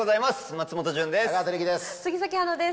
松本潤です。